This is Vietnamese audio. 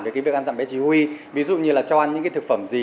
dặm bé chỉ huy ví dụ như là cho ăn những thực phẩm gì